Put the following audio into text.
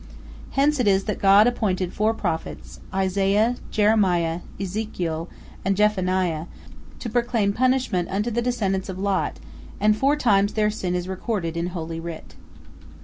Hence it is that God appointed four prophets, Isaiah, Jeremiah, Ezekiel, and Zephaniah, to proclaim punishment unto the descendants of Lot, and four times their sin is recorded in Holy Writ.